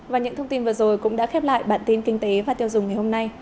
và những thông tin vừa rồi cũng đã khép lại bản tin kinh tế và tiêu dùng ngày hôm nay